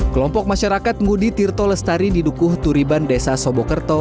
kelompok masyarakat ngudi tirto lestari di dukuh turiban desa sobokerto